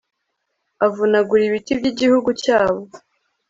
avunagura ibiti by'igihugu cyabo